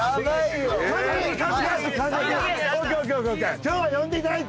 今日は呼んでいただいて。